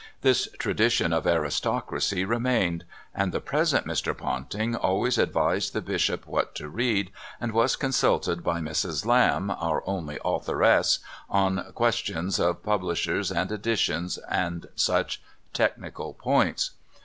This tradition of aristocracy remained, and the present Mr. Pouting always advised the Bishop what to read and was consulted by Mrs. Lamb, our only authoress, on questions of publishers and editions and such technical points.